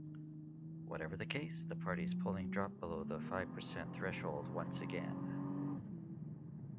Whatever the case, the party's polling dropped below the five percent threshold once again.